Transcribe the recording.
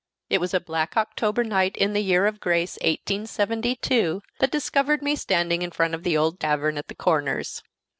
It was a black October night in the year of grace 1872, that discovered me standing in front of the old tavern at the Corners.